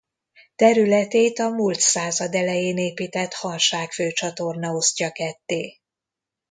Területét a múlt század elején épített Hanság-főcsatorna osztja ketté.